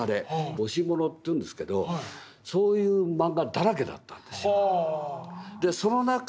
「母子もの」っていうんですけどそういうマンガだらけだったんですよ。は。